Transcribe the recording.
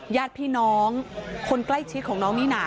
ญาติพี่น้องคนใกล้ชิดของน้องนิน่า